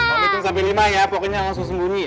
oke ngomongin sampai lima ya pokoknya langsung sembunyi